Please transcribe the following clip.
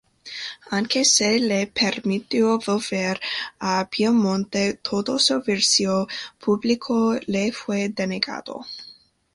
Aunque se le permitió volver a Piamonte, todo servicio público le fue denegado.